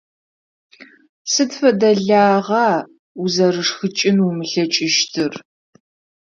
Сыд фэдэ лагъа узэрышхыкӀын умылъэкӀыщтыр?